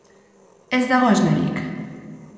Ez dago esnerik.